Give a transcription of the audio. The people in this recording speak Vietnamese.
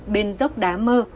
bên dốc đá mơ